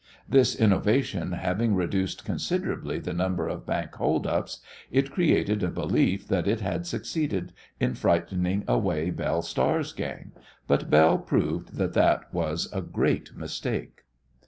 This innovation having reduced considerably the number of bank "hold ups," it created a belief that it had succeeded in frightening away Belle Star's gang, but Belle proved that that was a great mistake.